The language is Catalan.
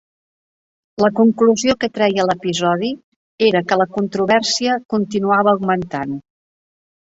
La conclusió que treia l'episodi era que la controvèrsia continuava augmentant.